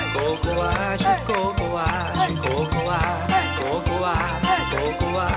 เตรียมตัวครับ